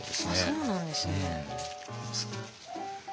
そうなんですね。